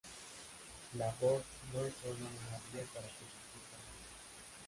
La voz no es solo una vía para conducir palabras.